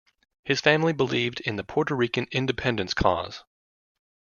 His family believed in the Puerto Rican independence cause.